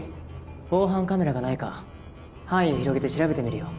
防犯カメラがないか範囲を広げて調べてみるよ。